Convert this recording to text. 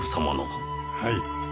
はい。